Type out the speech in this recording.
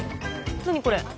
何これ？